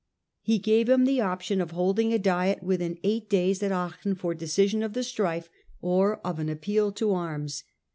He gave him the option of holding a diet within eight days at Aachen for decision of the strife, or of an appeal to arms.